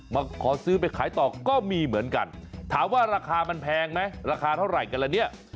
มาขอซื้อไปขายต่อก็มีเหมือนกันถามว่าราคามันแพงไหมราคาเท่าไหร่กันละเนี่ย